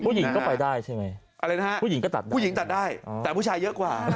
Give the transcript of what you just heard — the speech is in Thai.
ผู้หญิงก็ไปได้ใช่ไหมอะไรนะฮะผู้หญิงก็ตัดได้ผู้หญิงตัดได้แต่ผู้ชายเยอะกว่า